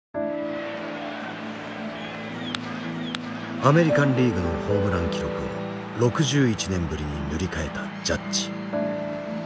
アメリカンリーグのホームラン記録を６１年ぶりに塗り替えたジャッジ。